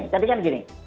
tapi kan begini